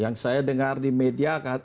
yang saya dengar di media